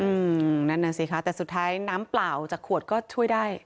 อืมนั่นน่ะสิคะแต่สุดท้ายน้ำเปล่าจากขวดก็ช่วยได้